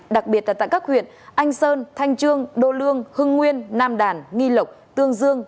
đặc biệt là tại các huyện anh sơn thanh trương đô lương hưng nguyên nam đàn nghi lộc tương dương